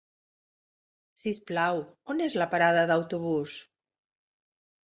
Si us plau, on és la parada de l'autobús?